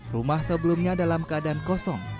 rumah sebelumnya dalam keadaan kosong